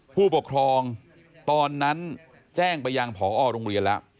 ผู้ปกครองตอนนั้นแจ้งไปยังพอโรงเรียนแล้ว